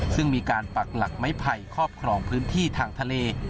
ซึ่งมีการปักหลักไม้ไผ่ครอบครองพื้นที่ทางทะเล